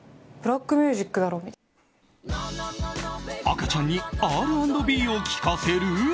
赤ちゃんにＲ＆Ｂを聴かせる？